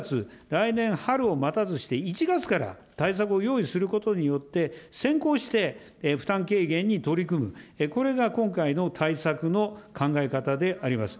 来年春を待たずして、１月から対策を用意することによって、先行して負担軽減に取り組む、これが今回の対策の考え方であります。